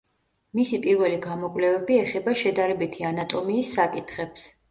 მისი პირველი გამოკვლევები ეხება შედარებითი ანატომიის საკითხებს.